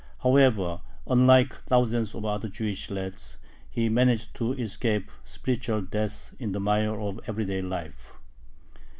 However, unlike thousands of other Jewish lads, he managed to escape spiritual death in the mire of everyday life.